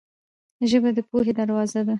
ژبه د پوهې دروازه ده.